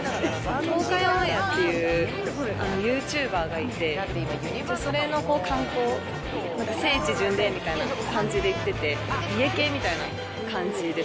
東海オンエアっていうユーチューバーがいて、それの観光、聖地巡礼みたいな感じで行ってて、家系みたいな感じです。